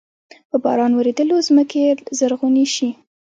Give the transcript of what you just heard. په باران ورېدلو زمکې زرغوني شي۔